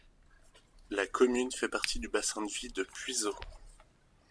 La commune fait partie du bassin de vie de Puiseaux.